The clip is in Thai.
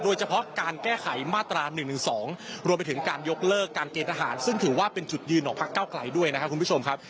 โดยเฉพาะการแก้ไขมาตรา๑๑๒รวมไปถึงการยกเลิกการเกณฑ์ทหารซึ่งถือว่าเป็นจุดยืนของพักเก้าไกลด้วยนะครับคุณผู้ชมครับ